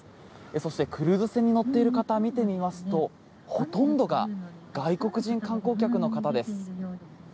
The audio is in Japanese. そして、クルーズ船に乗っている方を見てみますとほとんどが外国人観光客の方です。